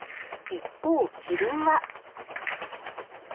一方キリンは。